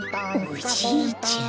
おじいちゃん。